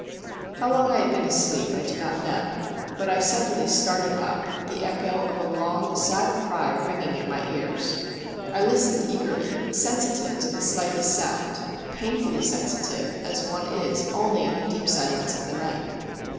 How long I had been asleep I do not know, but I suddenly started up, the echo of a long, sad cry ringing in my ears. I listened eagerly—sensitive to the slightest sound—painfully sensitive as one is only in the deep silence of the night.